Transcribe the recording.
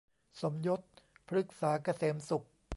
สมยศ พฤกษาเกษมสุข